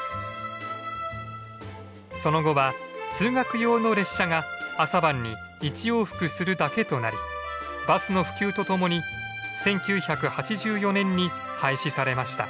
その後は通学用の列車が朝晩に１往復するだけとなりバスの普及とともに１９８４年に廃止されました。